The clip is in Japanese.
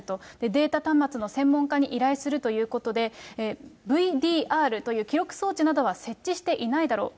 データ端末の専門家に依頼するということで、ＶＤＲという記録装置などは設置していないだろう。